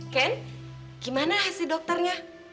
ken gimana hasil dokternya